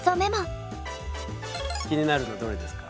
気になるのどれですか？